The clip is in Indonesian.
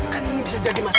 kan ini bisa jadi masalah